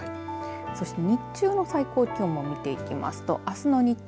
そして日中の最高気温も見ていきますとあすの日中。